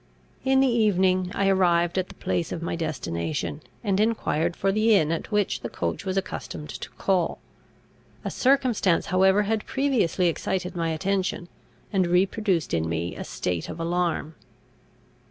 In the evening I arrived at the place of my destination, and enquired for the inn at which the coach was accustomed to call. A circumstance however had previously excited my attention, and reproduced in me a state of alarm.